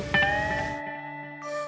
masuk dulu makan